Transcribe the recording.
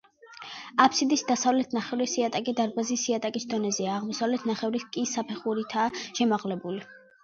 აფსიდის დასავლეთ ნახევრის იატაკი დარბაზის იატაკის დონეზეა, აღმოსავლეთ ნახევრისა კი საფეხურითაა შემაღლებული.